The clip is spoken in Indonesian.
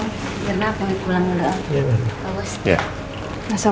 mirna aku mau pulang dulu